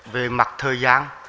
về mặt thời gian